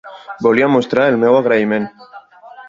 Volia mostrar el meu agraïment.